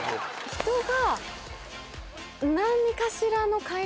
人が。